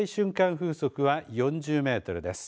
風速は４０メートルです。